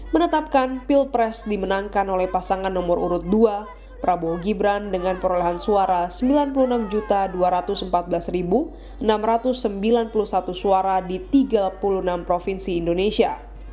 menetapkan pilpres dimenangkan oleh pasangan nomor urut dua prabowo gibran dengan perolehan suara sembilan puluh enam dua ratus empat belas enam ratus sembilan puluh satu suara di tiga puluh enam provinsi indonesia